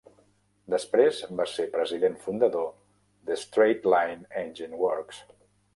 Després va ser president fundador de Straight Line Engine Works.